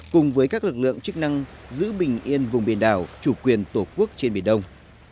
cùng với các lực lượng chức năng giữ bình yên vùng biển đảo chủ quyền tổ quốc trên biển đông